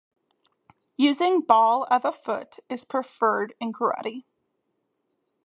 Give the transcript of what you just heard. Using ball of a foot is preferred in Karate.